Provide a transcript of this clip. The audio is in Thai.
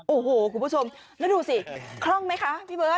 โอ้โหคุณผู้ชมแล้วดูสิคล่องไหมคะพี่เบิร์